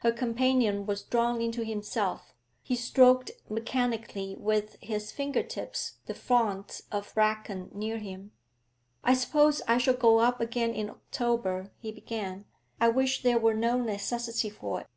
Her companion was drawn into himself; he stroked mechanically with his finger tips the fronds of bracken near him. 'I suppose I shall go up again in October,' he began. 'I wish there were no necessity for it.'